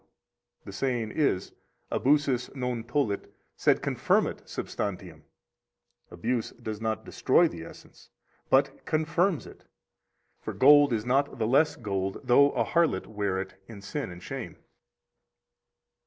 The saying is: Abusus non tollit, sed confirmat substantiam, Abuse does not destroy the essence, but confirms it. For gold is not the less gold though a harlot wear it in sin and shame.